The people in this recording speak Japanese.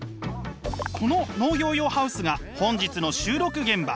この農業用ハウスが本日の収録現場。